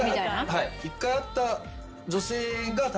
はい。